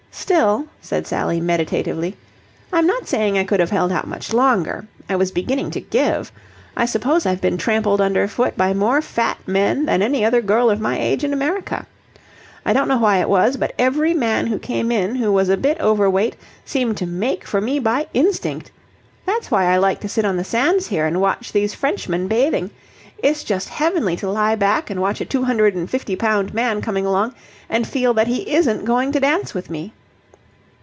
Still," said Sally, meditatively, "I'm not saying I could have held out much longer: I was beginning to give. I suppose I've been trampled underfoot by more fat men than any other girl of my age in America. I don't know why it was, but every man who came in who was a bit overweight seemed to make for me by instinct. That's why I like to sit on the sands here and watch these Frenchmen bathing. It's just heavenly to lie back and watch a two hundred and fifty pound man, coming along and feel that he isn't going to dance with me."